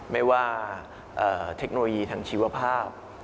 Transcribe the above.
ไม่ว่าเทคโนโลยีทางชีวภาพ